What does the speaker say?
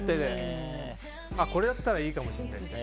これだったらいいかもしれないみたいな。